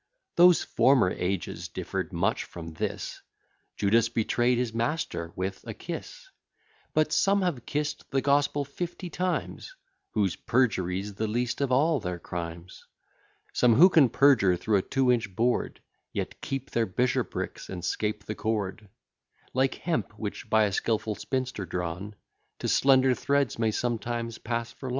Those former ages differ'd much from this; Judas betray'd his master with a kiss: But some have kiss'd the gospel fifty times, Whose perjury's the least of all their crimes; Some who can perjure through a two inch board, Yet keep their bishoprics, and 'scape the cord: Like hemp, which, by a skilful spinster drawn To slender threads, may sometimes pass for lawn.